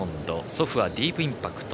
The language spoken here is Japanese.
祖父はディープインパクト。